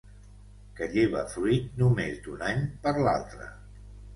Que lleva fruit només d'un any per l'altre.